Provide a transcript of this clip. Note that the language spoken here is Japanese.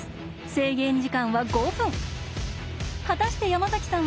制限時間は５分。